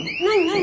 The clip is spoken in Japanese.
何？